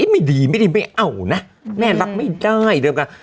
ไม่ดีไม่เอาแม่รักไม่ได้